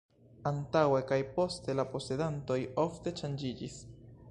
Antaŭe kaj poste la posedantoj ofte ŝanĝiĝis.